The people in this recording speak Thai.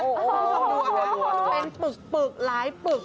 ไปปลดเป็นปึกปึกหลายปึก